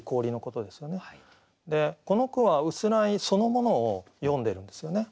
でこの句は薄氷そのものを詠んでるんですよね。